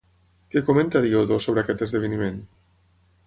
Què comenta Diodor sobre aquest esdeveniment?